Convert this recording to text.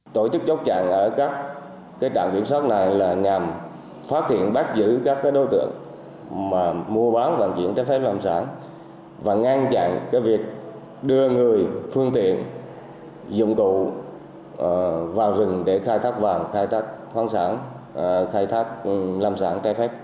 tổ chức chốt chặn ở các trạm kiểm soát này là nhằm phát hiện bác giữ các đối tượng mua bán và chuyển trái phép lâm sản và ngăn chặn việc đưa người phương tiện dụng cụ vào rừng để khai thác vàng khoáng sản lâm sản trái phép